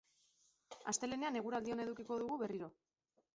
Astelehenean eguraldi ona edukiko du berriro.